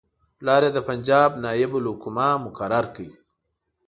پلار یې د پنجاب نایب الحکومه مقرر کړ.